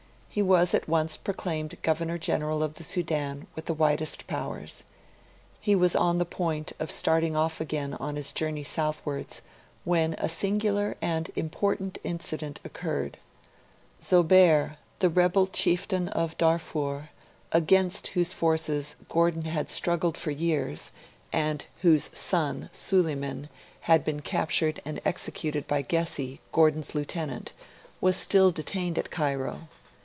He was at once proclaimed Governor General of the Sudan, with the widest powers. He was on the point of starting off again on his journey southwards, when a singular and important incident occurred. Zobeir, the rebel chieftain of Darfur, against whose forces Gordon had struggled for years, and whose son, Suleiman, had been captured and executed by Gessi, Gordon's lieutenant, was still detained at Cairo.